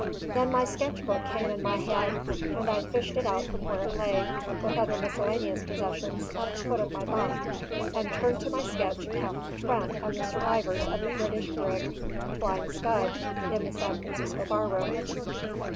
Then my sketch book came in my head; and I fished it out from where it lay, with other miscellaneous possessions, at the foot of my bunk and turned to my sketch of Captain Trent and the survivors of the British brig Flying Scud in the San Francisco bar room.